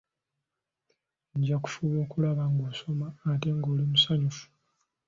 Nja kufuba okulaba ng'osoma ate ng'oli musanyufu.